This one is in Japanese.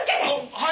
はい！